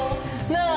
なあ